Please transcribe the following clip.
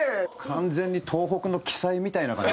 完全に東北の奇祭みたいな感じ。